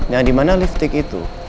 yang dimana liftik itu